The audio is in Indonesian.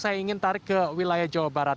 saya ingin tarik ke wilayah jawa barat